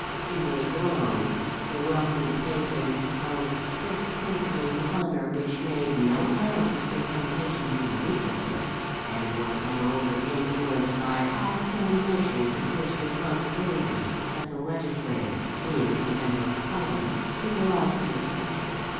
"He was wrong. The wealthy patron held strict principles of honour which made no allowance for temptations and weaknesses; and was moreover influenced by high flown notions of his responsibilities as a legislator (he was a member of Parliament) to the laws of his country.